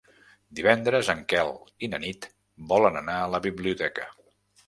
Divendres en Quel i na Nit volen anar a la biblioteca.